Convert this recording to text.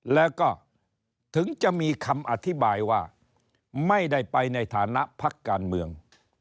แล้วก็ถึงจะมีคำอธิบายว่าไม่ได้ไปในฐานะพักการเมือง